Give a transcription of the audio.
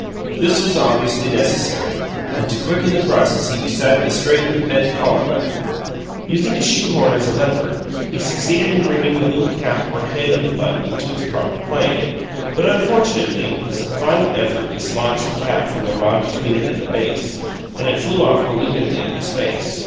This was obviously necessary, and to quicken the process he decided to straighten the bent collar button. Using a shoe horn as a lever, he succeeded in bringing the little cap or head of the button into its proper plane, but, unfortunately, his final effort dislodged the cap from the rod between it and the base, and it flew off malignantly into space.